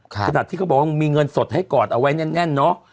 ขนาดที่เขาบอกว่ามีเงินสดให้กอดเอาไว้แน่นเนอะ